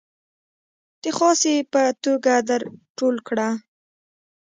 د خاصې په توګه در ټول کړه.